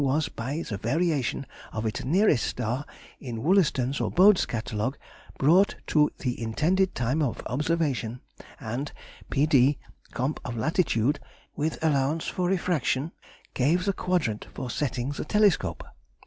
was, by the variation of its nearest star in Wollaston's or Bode's catalogue, brought to the intended time of observation, and P.D.—comp. of latitude, with allowance for refraction, gave the quadrant for setting the telescope.